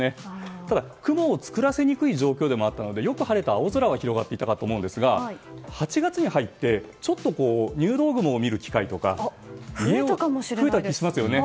ただ、雲を作らせにくい状況でもあったのでよく晴れた青空が広がっていたと思うんですが８月に入って入道雲を見る機会とか増えた気がしますね。